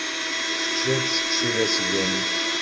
Teččiḍ seksu d asgal.